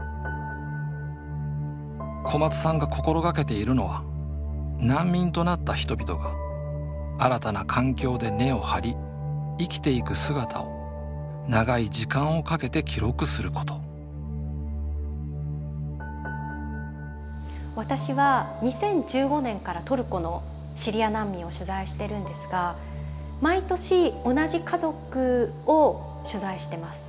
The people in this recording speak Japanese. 小松さんが心掛けているのは難民となった人々が新たな環境で根を張り生きていく姿を長い時間をかけて記録すること私は２０１５年からトルコのシリア難民を取材してるんですが毎年同じ家族を取材してます。